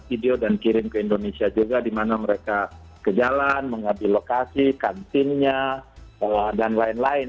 video dan kirim ke indonesia juga di mana mereka ke jalan mengambil lokasi kantinnya dan lain lain